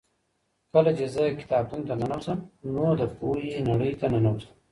کله چې زه کتابتون ته ننوځم نو د پوهې نړۍ ته ننوځم.